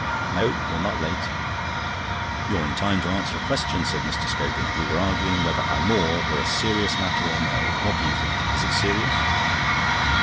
"No, you're not late." "You're in time to answer a question," said Mr. Scogan. "We were arguing whether Amour were a serious matter or no. What do you think? Is it serious?"